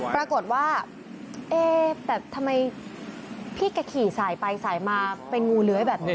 ปรากฏว่าเอ๊แต่ทำไมพี่แกขี่สายไปสายมาเป็นงูเลื้อยแบบนี้